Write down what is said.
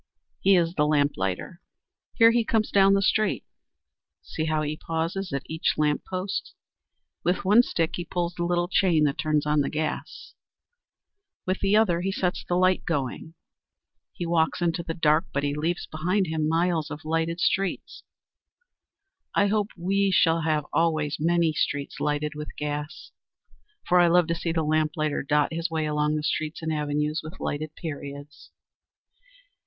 He is the lamplighter. Here he comes down the street! See how he pauses at each lamp post. With one stick he pulls the little chain that turns on the gas; with the other he sets the light going. He walks into the dark, but he leaves behind him miles of lighted streets. I hope we shall have always many streets lighted with gas, for I love to see the lamplighter dot his way along the streets and avenues with lighted periods.